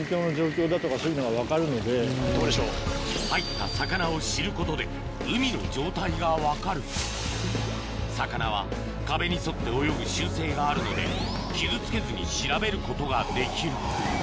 入った魚を知ることで海の状態が分かる魚は壁に沿って泳ぐ習性があるので傷つけずに調べることができる